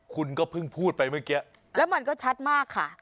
คุณก็เพิ่งพูดไปเมื่อกี้แล้วมันก็ชัดมากค่ะ